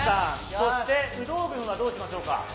そして有働軍はどうしましょうか。